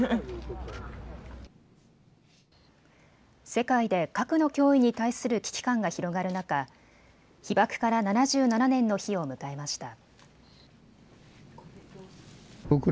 世界で核の脅威に対する危機感が広がる中、被爆から７７年の日を迎えました。